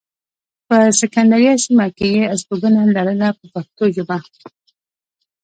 په سکندریه سیمه کې یې استوګنه لرله په پښتو ژبه.